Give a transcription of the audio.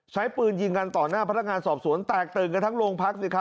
ใช้ปืนยิงกันต่อหน้าพนักงานสอบสวนแตกตื่นกันทั้งโรงพักสิครับ